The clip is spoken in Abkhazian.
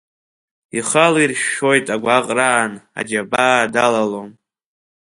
Ихы алиршәшәоит агәаҟраан, аџьабаа далалом.